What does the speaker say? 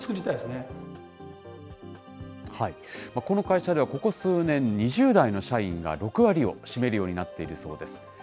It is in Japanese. この会社では、ここ数年、２０代の社員が６割を占めるようになっているそうです。